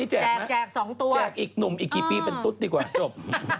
แจกอีกหนุ่มอีกกี่ปีเป็นตุ๊ดดีกว่าจบ